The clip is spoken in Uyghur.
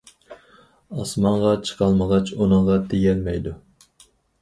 ئاسمانغا چىقالمىغاچ، ئۇنىڭغا تېگەلمەيدۇ.